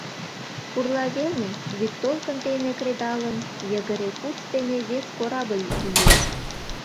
Пурла велне, вӱдтолкын дене кредалын, йыгыре курс дене вес корабль иеш.